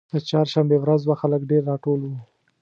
د چهارشنبې ورځ وه خلک ډېر راټول وو.